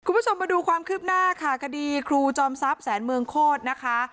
คุณผู้ชมมาดูความคืบหน้าค่ะคดีครูจอมทรัพย์แสนเมืองโคตรนะคะ